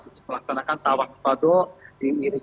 untuk melaksanakan tawak kepada diiriki dengan seorang